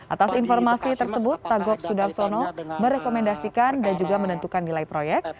atas informasi tersebut tagok sudarsono merekomendasikan dan juga menentukan nilai proyek